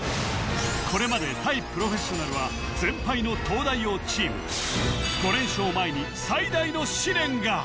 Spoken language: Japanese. これまで対プロフェッショナルは全敗の東大王チーム５連勝を前に最大の試練が！